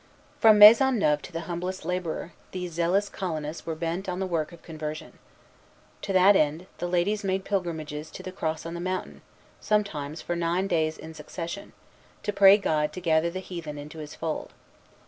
From Maisonneuve to the humblest laborer, these zealous colonists were bent on the work of conversion. To that end, the ladies made pilgrimages to the cross on the mountain, sometimes for nine days in succession, to pray God to gather the heathen into His fold.